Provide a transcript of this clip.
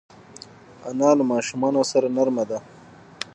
انا له ماشومانو سره نرمه ده